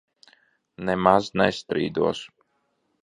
Nemaz nestrīdos.